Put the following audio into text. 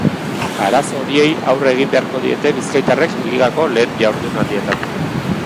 Arazo horiei aurre egin beharko diete bizkaitarrek ligako lehen jardunaldietan.